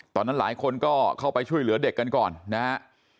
ตอนนั้นหลายคนก็เข้าไปช่วยเหลือเด็กกันก่อนนะฮะ